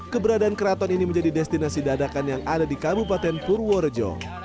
keberadaan keraton ini menjadi destinasi dadakan yang ada di kabupaten purworejo